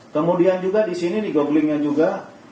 kemudian juga di sini di googlingnya juga